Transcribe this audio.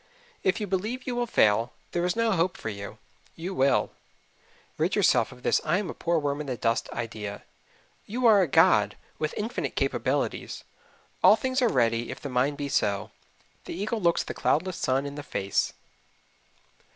If you believe you will fail, there is no hope for you. You will. Rid yourself of this I am a poor worm in the dust idea. You are a god, with infinite capabilities. "All things are ready if the mind be so." The eagle looks the cloudless sun in the face.